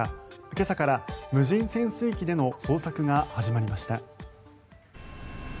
今朝から無人潜水機での捜索が始まりました。